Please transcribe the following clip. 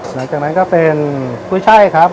หลังจากนั้นก็เป็นกุ้ยช่ายครับ